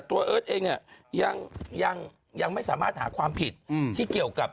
ตัวเอิ้นเองยังไม่สามารถหาความผิดที่เกี่ยวกับ